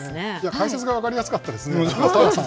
解説が分かりやすかったですね。